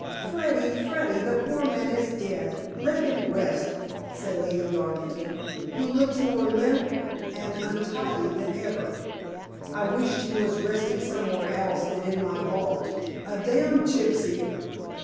"Freddy, Freddy, the poor man is dead. Let him rest," said Lady Garvington, who looked more limp and untidy than ever. "I wish he was resting somewhere else than in my vault. A damned gypsy!"